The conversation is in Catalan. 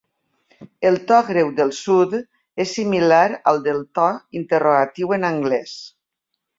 El to greu del sud és similar al del to interrogatiu en anglès.